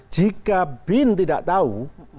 jika bin tidak tahu